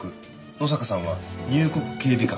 野坂さんは入国警備官。